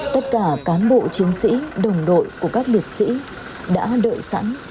tất cả cán bộ chiến sĩ đồng đội của các liệt sĩ đã đợi sẵn